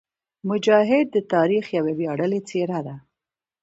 مجاهد د تاریخ یوه ویاړلې څېره ده.